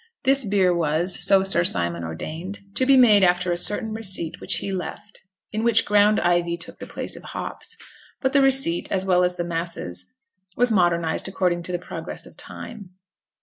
This beer was, so Sir Simon ordained, to be made after a certain receipt which he left, in which ground ivy took the place of hops. But the receipt, as well as the masses, was modernized according to the progress of time.